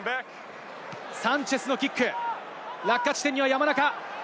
サンチェスのキック、落下地点には山中。